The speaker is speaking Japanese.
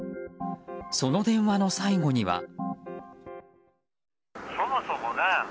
その電話の最後には。